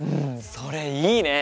それいいね！